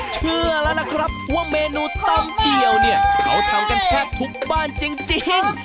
เชื่อแล้วล่ะครับว่าเมนูตำเจียวเนี่ยเขาทำกันแทบทุกบ้านจริง